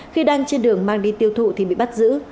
khi đang trên đường mang đi tiêu thụ thì bị bắt giữ